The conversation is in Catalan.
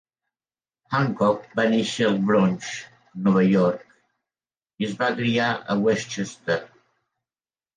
Hancock va néixer al Bronx, Nova York, i es va criar a Westchester.